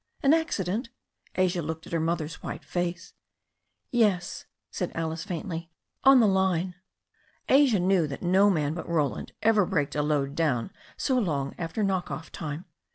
"An accident?" Asia looked at her mother's white face. Yes," said Alice faintly, "on the line." Asia knew that no man but Roland ever braked a load down so long after knock off time.